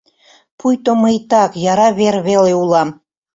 Пуйто мый так, яра вер веле улам.